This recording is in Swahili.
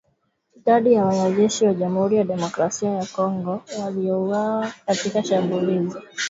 Idadi ya wanajeshi wa Jamuhuri ya Demokrasia ya Kongo waliouawa katika shambulizi dhidi ya kambi zao haijajulikana